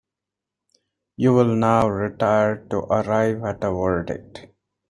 You will now retire to arrive at a verdict.